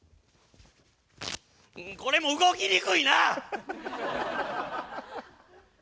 これも動きにくいな！